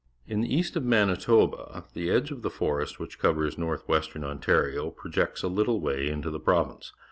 — In the east of Manitoba the edge of the forest, which covers north western Ontario projects a little way into the pro\'ince.